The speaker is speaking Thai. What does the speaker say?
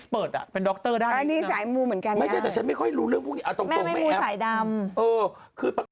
ไปสัวเริ่มใหม่อ้าวอ้าวเสร็จแล้ว